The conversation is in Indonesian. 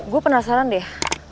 gue penasaran deh